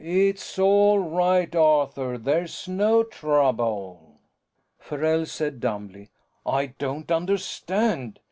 "It's all right, Arthur. There's no trouble." Farrell said dumbly, "I don't understand.